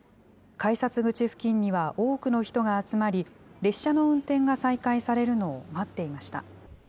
改札口付近には多くの人が集まり、列車の運転が再開されるのを待っていました。